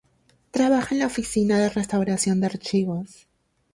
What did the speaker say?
Trabaja en la oficina de la restauración de archivos.